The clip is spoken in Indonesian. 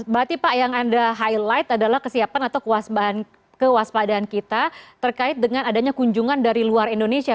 berarti pak yang anda highlight adalah kesiapan atau kewaspadaan kita terkait dengan adanya kunjungan dari luar indonesia